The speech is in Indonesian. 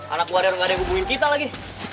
anak warior gak degubuin kita lagi